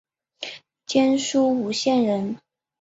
江苏吴县人。